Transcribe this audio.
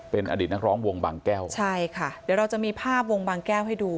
เป็นอดีตนักร้องวงบางแก้วใช่ค่ะเดี๋ยวเราจะมีภาพวงบางแก้วให้ดู